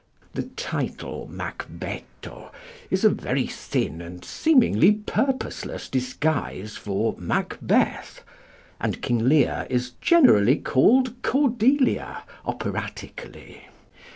The title Macbetto is a very thin and seemingly purposeless disguise for Macbeth; and King Lear is generally called Cordelia, operatically.